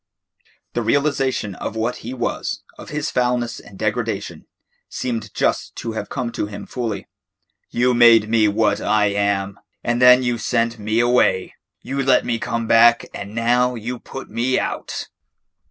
The realisation of what he was, of his foulness and degradation, seemed just to have come to him fully. "You made me what I am, and then you sent me away. You let me come back, and now you put me out."